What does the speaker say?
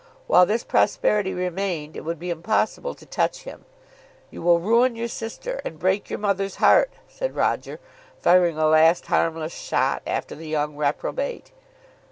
While this prosperity remained it would be impossible to touch him. "You will ruin your sister, and break your mother's heart," said Roger, firing a last harmless shot after the young reprobate.